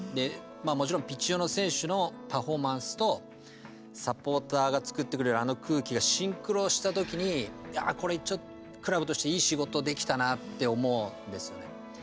もちろんピッチ上の選手のパフォーマンスとサポーターが作ってくれるあの空気がシンクロした時にいやあ、これちょっとクラブとしていい仕事できたなって思うんですよね。